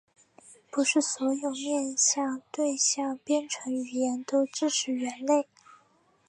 不是所有面向对象编程语言都支持元类。